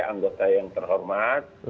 anggota yang terhormat